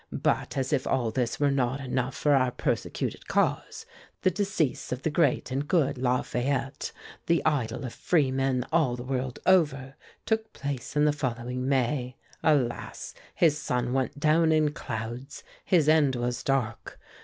But, as if all this were not enough for our persecuted cause, the decease of the great and good Lafayette, the idol of freemen all the world over, took place in the following May. Alas! his sun went down in clouds. His end was dark.